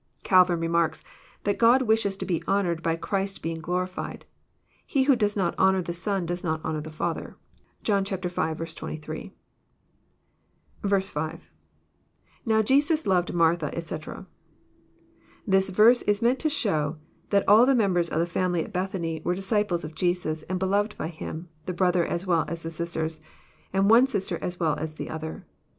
'* Calvin remarks, that God wishes to be honoured by Christ being glorified. '< He who does not honour the Son does not honour the Father." (John v. 23.) 6. — [JVbio Jesus loved Martha^ etc.] This verse is meant to show that all the members of the family at B'^thany were disciples of Jesus and beloved by Him, the brother as well as the sisters, and one sister as well as the other.